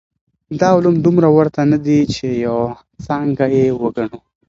دا علوم دومره ورته نه دي چي يوه څانګه يې وګڼو.